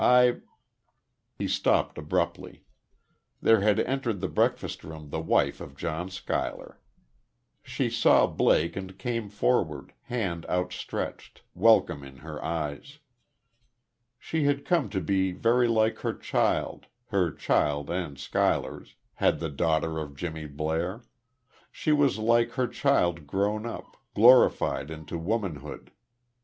I " He stopped, abruptly. There had entered the breakfast room the wife of John Schuyler. She saw Blake and came forward, hand outstretched, welcome in her eyes. She had come to be very like her child her child and Schuyler's had the daughter of Jimmy Blair she was like her child grown up, glorified into womanhood.